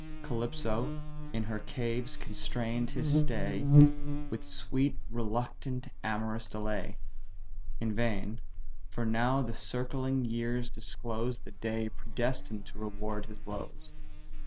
Calypso in her caves constrain'd his stay, With sweet, reluctant, amorous delay; In vain for now the circling years disclose The day predestined to reward his woes.